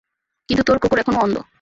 কিন্তু তোর কুকুর এখনো অন্ধ।